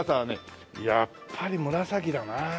やっぱり紫だな。